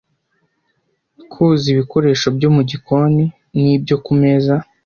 koza ibikoresho byo mu gikoni n’ibyo ku meza